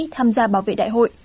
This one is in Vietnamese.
tham gia bảo vệ đại hội